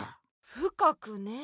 ふかくねぇ。